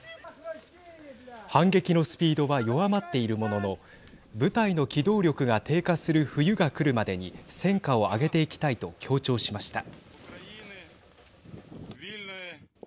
反撃のスピードは弱まっているものの部隊の機動力が低下する冬が来るまでに戦果を挙げていきたいと強調しました。